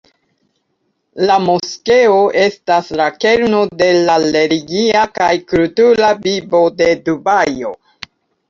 La moskeo estas la kerno de la religia kaj kultura vivo de Dubajo.